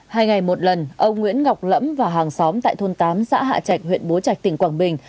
hai ngày một lần ông nguyễn ngọc lẫm và hàng xóm tại thôn tám xã hạ trạch huyện bố trạch tỉnh quảng bình